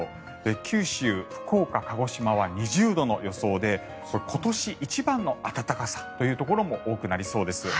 九州の福岡、鹿児島は２０度の予想で今年一番の暖かさというところも多くなりそうです。